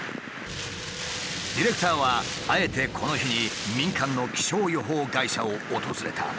ディレクターはあえてこの日に民間の気象予報会社を訪れた。